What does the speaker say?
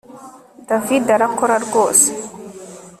david arakora rwose